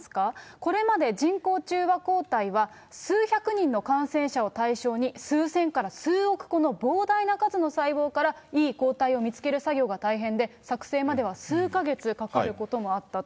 これまで人工中和抗体は、数百人の感染者を対象に、数千から数億個の膨大な数の細胞から、いい抗体を見つける作業が大変で、作製までは数か月かかることもあったと。